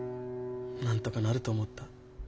なんとかなると思った。